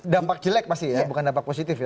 dampak jelek pasti ya bukan dampak positif ya